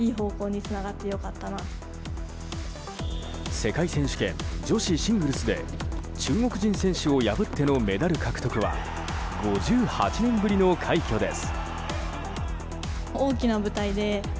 世界選手権女子シングルスで中国人選手を破ってのメダル獲得は５８年ぶりの快挙です。